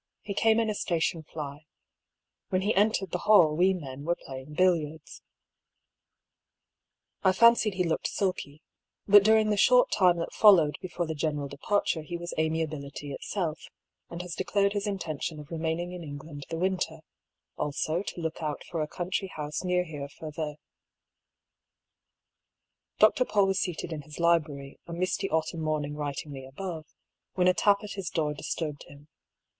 He came in a station fly. When he entered the hall we men were playing billiards. I fancied he looked sulky, but during the short time that followed before the general departure he was amia bility itself, and has declared his intention of remaining in England the winter, also to look out for a country house near here for the Dr. PauU was seated in his library a misty autumn EXTRACT FROM DIARY OF DR. HUGH PAULL.